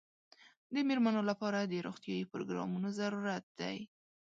د مېرمنو لپاره د روغتیايي پروګرامونو ضرورت دی.